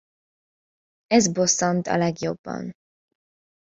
Ez bosszant a legjobban!